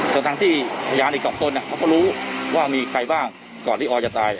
ถึงที่พยายามเลียกต่อค์ต้นก็รู้ว่ามีใครบ้างก่อนที่อ๋อจะตาย